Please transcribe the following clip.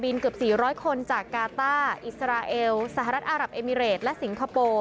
เกือบ๔๐๐คนจากกาต้าอิสราเอลสหรัฐอารับเอมิเรตและสิงคโปร์